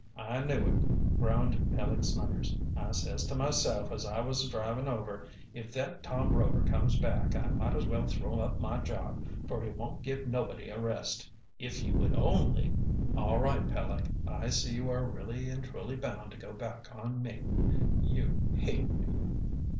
I knew it!" groaned Peleg Snuggers. "I says to myself as I was a drivin' over, 'if thet Tom Rover comes back, I might as well throw up my job, for he won't give nobody a rest!' If you would only " "All right, Peleg, I see you are really and truly bound to go back on me. You hate me!"